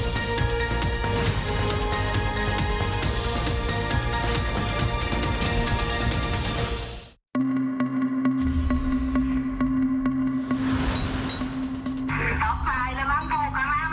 สวัสดีครับสวัสดีครับ